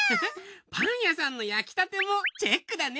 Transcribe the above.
パン屋さんの焼きたてもチェックだね！